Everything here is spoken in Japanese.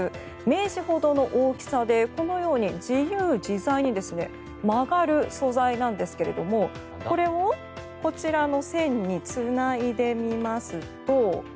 名刺ほどの大きさで、このように自由自在に曲がる素材なんですがこれを、こちらの線につないでみますと。